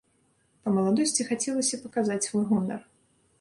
Па маладосці хацелася паказаць свой гонар.